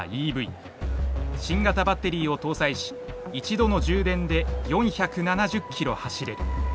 新型バッテリーを搭載し１度の充電で４７０ｋｍ走れる。